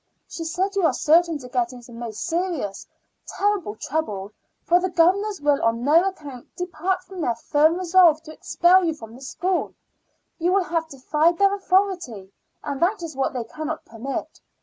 She said you are certain to get into most serious, terrible trouble, for the governors will on no account depart from their firm resolve to expel you from the school. You will have defied their authority, and that is what they cannot permit.